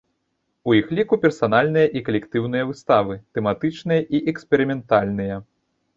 У іх ліку персанальныя і калектыўныя выставы, тэматычныя і эксперыментальныя.